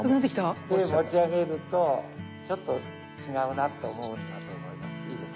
で持ち上げるとちょっと違うなと思うかと思います。